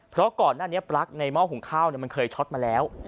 เพราะก่อนหน้านี้ปลั๊กในหม้อหุงข้าวมันเคยช็อตมาแล้ว